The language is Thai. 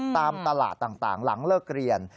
ตามตลาดต่างหลังเลิกเรียน